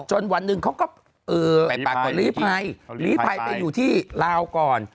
วันหนึ่งเขาก็ไปปรากฏลีภัยลีภัยไปอยู่ที่ลาวก่อน